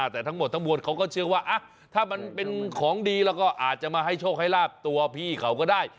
แต่ทั้งหมดทั้งมวลเขาก็เชื่อว่าถ้ามันเป็นของดีแล้วก็อาจจะมาให้โชคให้ลาบตัวพี่เขาก็ได้